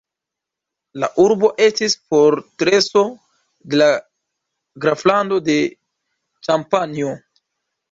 La urbo estis fortreso de la graflando de Ĉampanjo.